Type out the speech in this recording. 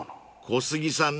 ［小杉さん